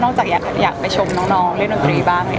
อยากไปชมน้องเล่นดนตรีบ้าง